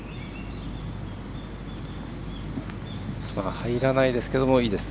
入らないですけどいいです。